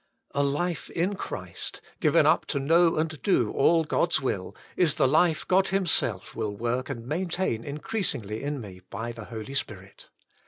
AJife iit Christy given up to know and do all God^s will, is the life God Himself will work and maintain increasingly in me by the Holy Spirit.